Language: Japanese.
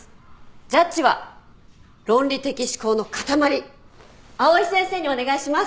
ジャッジは論理的思考の塊藍井先生にお願いします。